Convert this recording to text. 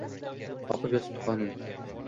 Oqib yotibdi qonim…